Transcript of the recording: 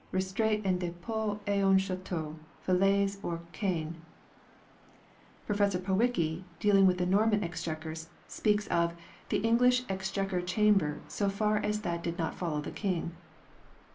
.. restait en depot a un Chateau" (" Falaise or Caen"): Prof. Powicke * (dealing with the Norman Exchequer) speaks of " the English Exchequer Chamber so far as that did not follow the King